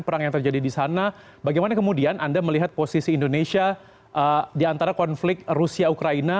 perang yang terjadi di sana bagaimana kemudian anda melihat posisi indonesia di antara konflik rusia ukraina